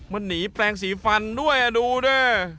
มันหนีแปลงสีฟันด้วยดูเด้อ